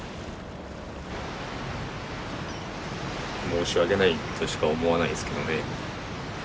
申し訳ないとしか思わないですけどね。